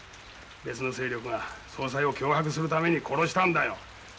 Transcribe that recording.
別の勢力が総裁を脅迫するために殺したんだよ。